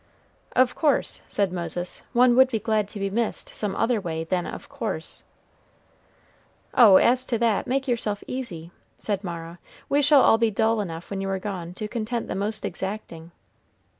"Of course," said Moses, "one would be glad to be missed some other way than of course." "Oh, as to that, make yourself easy," said Mara. "We shall all be dull enough when you are gone to content the most exacting."